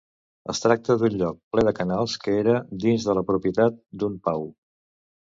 Es tracta d'un lloc ple de canals que era dins de la propietat d'un Pau.